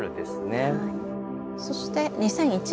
そして２００１年。